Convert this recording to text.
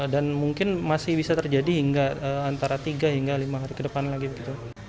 dan mungkin masih bisa terjadi hingga antara tiga hingga lima hari ke depan lagi